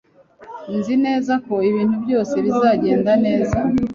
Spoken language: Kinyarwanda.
Nzi neza ko ibintu byose bizagenda neza.